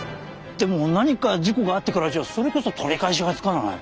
でも何か事故があってからじゃそれこそ取り返しがつかない。